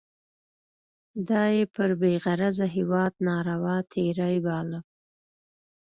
دا یې پر بې غرضه هیواد ناروا تېری باله.